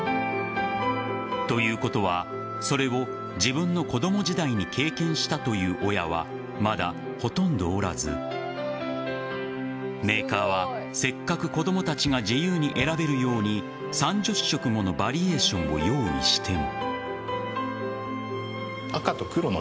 ということはそれを自分の子供時代に経験したという親はまだほとんどおらずメーカーはせっかく子供たちが自由に選べるように３０色ものバリエーションを用意しても。